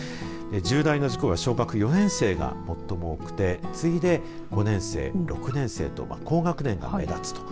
重大な事故が小学４年生が最も多くて次いで５年生６年生と高学年が目立つと。